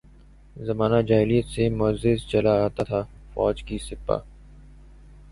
زمانہ جاہلیت سے معزز چلا آتا تھا، فوج کی سپہ